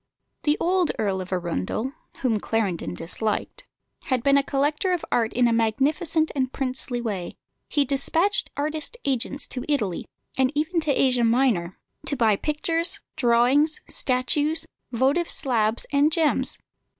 The old Earl of Arundel (whom Clarendon disliked) had been a collector of art in a magnificent and princely way. He despatched artist agents to Italy, and even to Asia Minor, to buy pictures, drawings, statues, votive slabs, and gems.